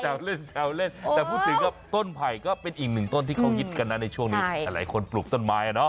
เล่นแซวเล่นแต่พูดถึงก็ต้นไผ่ก็เป็นอีกหนึ่งต้นที่เขาฮิตกันนะในช่วงนี้หลายคนปลูกต้นไม้อ่ะเนาะ